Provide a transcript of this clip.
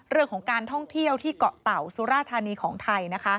เรื่องของการท่องเที่ยวที่เกาะเต่าสุราธานีของไทย